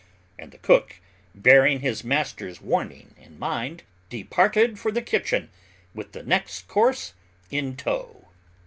and the cook, bearing his master's warning in mind, departed for the kitchen with the next course in tow.